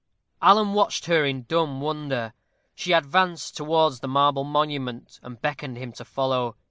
Alan watched her in dumb wonder. She advanced towards the marble monument, and beckoned him to follow.